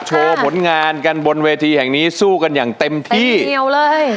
ผลงานกันบนเวทีแห่งนี้สู้กันอย่างเต็มที่เหนียวเลย